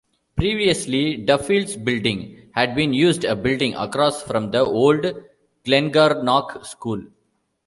Previously "Duffield's Building" had been used, a building across from the old Glengarnock School.